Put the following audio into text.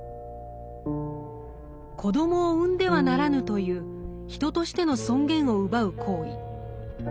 「子どもを産んではならぬ」という人としての尊厳を奪う行為。